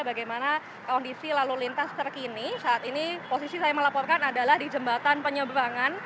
bagaimana kondisi lalu lintas terkini saat ini posisi saya melaporkan adalah di jembatan penyeberangan